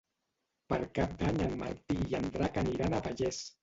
Per Cap d'Any en Martí i en Drac aniran a Vallés.